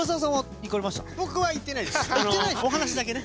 僕は行ってないです。